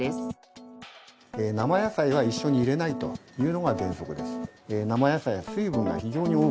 生野菜は一緒に入れないというのが原則です。